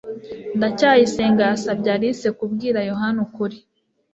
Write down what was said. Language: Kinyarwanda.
ndacyayisenga yasabye alice kubwira yohana ukuri